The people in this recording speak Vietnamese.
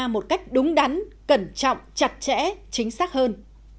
một cách đúng đắn cẩn trọng chặt chẽ chính xác hơn